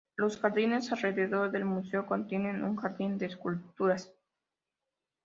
Los jardines alrededor del museo contienen un jardín de esculturas.